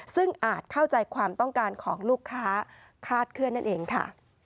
ซึ่งอาจเข้าใจความต้องการของลูกค้าคลาดเคลื่อนนั่นเองค่ะ